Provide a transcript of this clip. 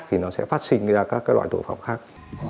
thì nó sẽ phát sinh ra các loại tội phạm khác